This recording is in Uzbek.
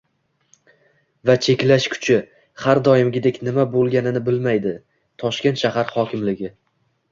Va cheklash kuchi, har doimgidek, nima bo'lganini bilmaydi? Toshkent shahar hokimligi